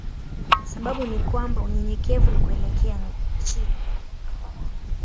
Sababu ni kwamba unyenyekevu ni kuelekea chini.